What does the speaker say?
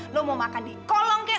lo mau makan di kolong kek